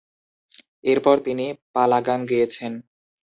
এরপর তিনি পালাগান গেয়েছেন।